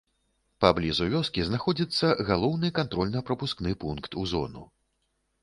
Паблізу вёскі знаходзіцца галоўны кантрольна-прапускны пункт у зону.